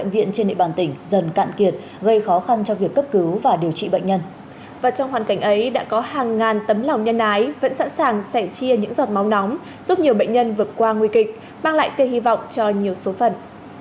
và trong hoàn cảnh ấy đã có hàng ngàn tấm lòng nhân ái vẫn sẵn sàng sẽ chia những giọt máu nóng giúp nhiều bệnh nhân vượt qua nguy kịch mang lại tên hy vọng cho nhiều số phận